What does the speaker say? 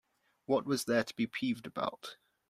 What was there to be peeved about?